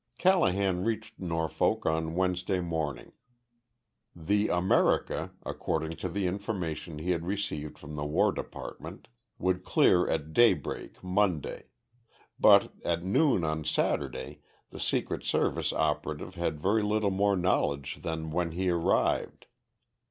Callahan reached Norfolk on Wednesday morning. The America, according to the information he had received from the War Department, would clear at daybreak Monday but at noon on Saturday the Secret Service operative had very little more knowledge than when he arrived.